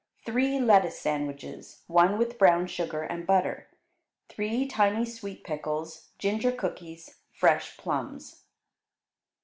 Three lettuce sandwiches, one with brown sugar and butter; three tiny sweet pickles; ginger cookies; fresh plums.